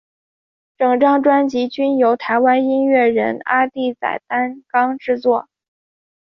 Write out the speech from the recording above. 整张专辑均由台湾音乐人阿弟仔担纲制作。